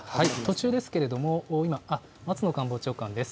途中ですけれども、今、松野官房長官です。